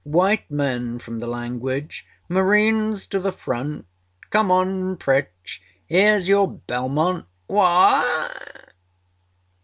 âWhite men from the language. Marines to the front! Come on, Pritch. Hereâs your Belmont. Whaâiâi!